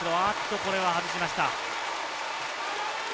これは外しました。